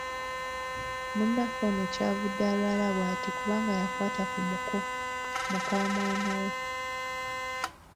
"Munnaffe ono ky’avudde alwala bw'ati kubanga yakwata ku muko, muka mwana we."